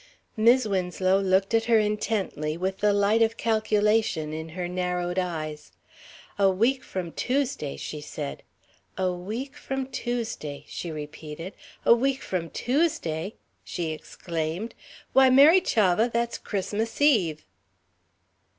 Mis' Winslow looked at her intently, with the light of calculation in her narrowed eyes. "A week from Tuesday," she said. "A week from Tuesday," she repeated. "A week from Tuesday!" she exclaimed. "Why, Mary Chavah. That's Christmas Eve."